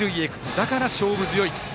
だから勝負強いと。